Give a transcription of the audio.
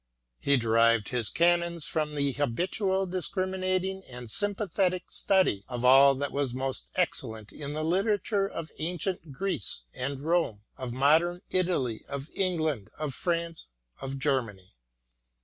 He derived his canons from the habitual, discriminating, and sympathetic study of all that was most excellent in the literature of ancient Greece and Rome, of modern Italy, of England, of France, of Germany.